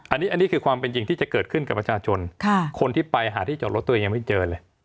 อันนี้คือความเป็นจริงที่จะเกิดขึ้นกับประชาชนคนที่ไปหาที่จอดรถตัวเองยังไม่เจอเลย